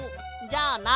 じゃあな」。